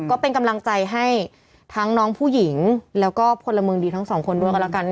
ก็เป็นกำลังใจให้ทั้งน้องผู้หญิงแล้วก็พลเมืองดีทั้งสองคนด้วยกันแล้วกัน